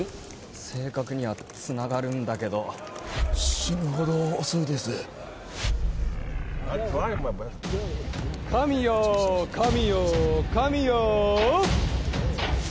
正確にはつながるんだけど死ぬほど遅いです神よ神よ神よ